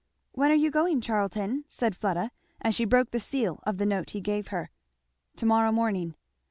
"When are you going, Charlton?" said Fleda as she broke the seal of the note he gave her. "To morrow morning."